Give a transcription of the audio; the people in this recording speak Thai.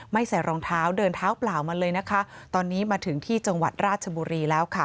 ใส่รองเท้าเดินเท้าเปล่ามาเลยนะคะตอนนี้มาถึงที่จังหวัดราชบุรีแล้วค่ะ